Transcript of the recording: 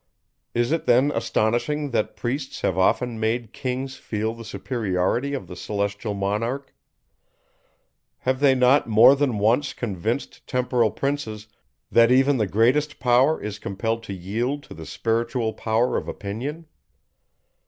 Is it then astonishing, that priests have often made kings feel the superiority of the Celestial Monarch? Have they not more than once convinced temporal princes, that even the greatest power is compelled to yield to the spiritual power of opinion?